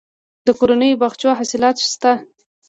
د کورنیو باغچو حاصلات شته